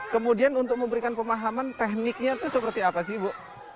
kemudian untuk memberikan pemahaman tekniknya itu seperti apa sih ibu